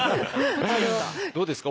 どうですか？